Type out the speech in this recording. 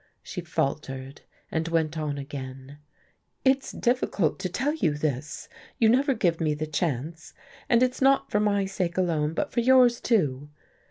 She faltered, and went on again. "It's difficult to tell you this you never give me the chance. And it's not for my sake alone, but for yours, too.